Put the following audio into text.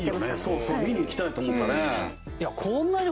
そうそう見に行きたいと思ったね